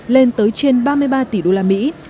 lên tới trên ba mươi ba tỷ đô la mỹ